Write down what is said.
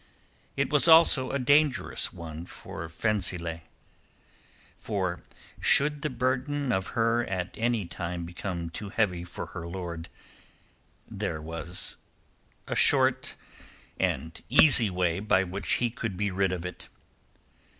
It was also a dangerous one for Fenzileh; for should the burden of her at any time become too heavy for her lord there was a short and easy way by which he could be rid of it.